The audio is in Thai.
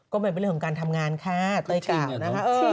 ก็มันเป็นเรื่องของการทำงานค่ะเตยกล่าวนะคะ